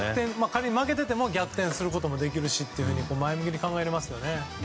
仮に負けてても逆転することができるしと前向きに考えられますよね。